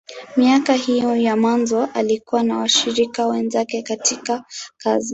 Miaka hii ya mwanzoni, alikuwa na washirika wenzake katika kazi.